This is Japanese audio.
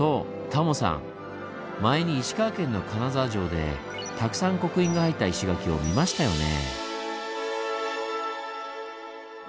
タモさん前に石川県の金沢城でたくさん刻印が入った石垣を見ましたよね。